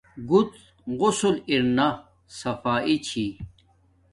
گڎ غسل ارنا صفایݵ چھی